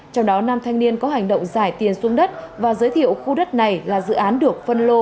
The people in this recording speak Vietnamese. trong đó nam thanh niên có hành động giải tiền xuống đất và giới thiệu khu đất này là dự án được phân lô